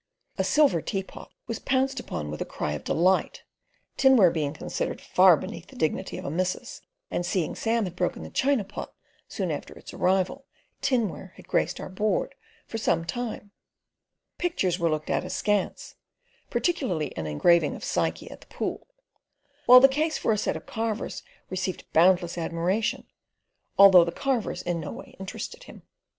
A silver teapot was pounced upon with a cry of delight (tinware being considered far beneath the dignity of a missus, and seeing Sam had broken the china pot soon after its arrival, tinware had graced our board for some time), pictures were looked at askance, particularly an engraving of Psyche at the Pool; while the case for a set of carvers received boundless admiration, although the carvers in no way interested him.